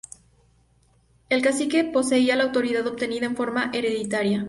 El cacique poseía la autoridad, obtenida en forma hereditaria.